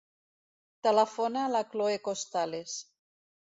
Telefona a la Khloe Costales.